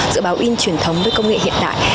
giữa báo in truyền thống với công nghệ hiện đại